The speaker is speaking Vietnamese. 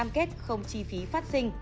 họ sẽ cho chị ký vào sau